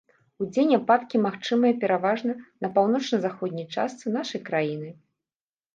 Удзень ападкі магчымыя пераважна на паўночна-заходняй частцы нашай краіны.